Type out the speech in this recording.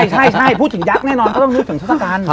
ใช่พูดถึงยักษ์แน่นอนก็ต้องนึกถึงทศกัณฐ์